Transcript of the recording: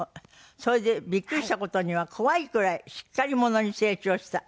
それでびっくりした事には怖いくらいしっかり者に成長した。